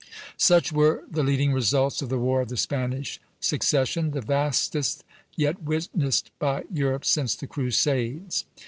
Such were the leading results of the War of the Spanish Succession, "the vastest yet witnessed by Europe since the Crusades."